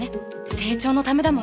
成長のためだもの。